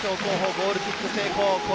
ゴールキック成功！